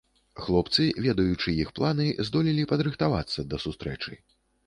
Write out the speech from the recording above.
Хлопцы, ведаючы іх планы, здолелі падрыхтавацца да сустрэчы.